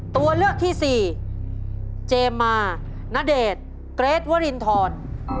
ตัวเลือกที่สี่เจมส์มาณเดชน์เกรทวรินทร